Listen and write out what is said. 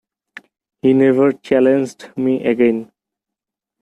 He never challenged me again.